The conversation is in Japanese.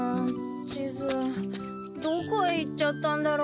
地図どこへ行っちゃったんだろう？